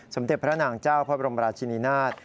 สมเด็จพระนางเจ้าพระบรมราชินินาศ